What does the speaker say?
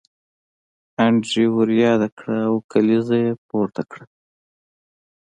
انډریو ور یاد کړ او کلیزه یې پورته کړه